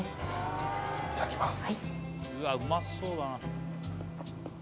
いただきます